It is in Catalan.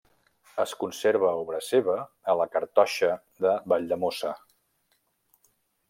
Es conserva obra seva a la cartoixa de Valldemossa.